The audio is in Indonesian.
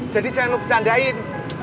jadi jangan lo kecandain